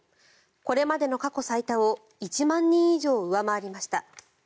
これまでの過去最多を１万人以上上回りました。